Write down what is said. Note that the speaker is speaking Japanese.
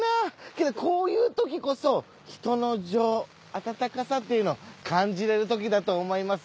けどこういうときこそ人の情温かさっていうのを感じられるときだと思います。